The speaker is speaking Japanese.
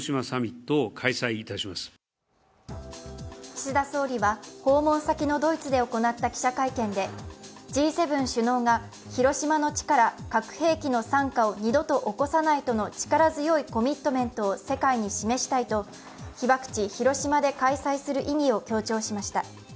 岸田総理は、訪問先のドイツで行った記者会見でＧ７首脳が広島の地から核兵器の惨禍をを二度と起こさない都の力強いコミットメントを世界に示したいと被爆地・広島で開催する意義を強調しました。